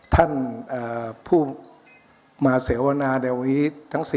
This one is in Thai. ท่านผู้มาเสวนาเดวีท